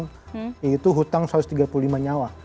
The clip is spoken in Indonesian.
yaitu hutang satu ratus tiga puluh lima nyawa